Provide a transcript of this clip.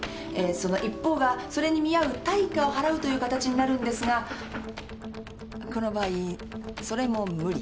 その一方がそれに見合う対価を払うという形になるんですがこの場合それも無理。